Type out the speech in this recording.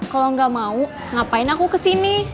kalau nggak mau ngapain aku kesini